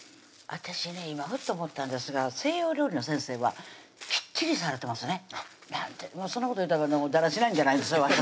私ね今ふっと思ったんですが西洋料理の先生はきっちりされてますねそんなこと言うたらだらしないんじゃないですよ